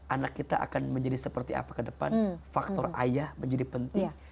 anak kita akan menjadi seperti apa ke depan faktor ayah menjadi penting